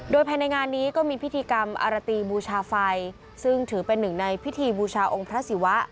โดยภายในงานนี้ก็มีพิธีกรรมอารตีบูชาไฟซึ่งถือเป็นหนึ่งในพิธีบูชาองค์พระศิวะ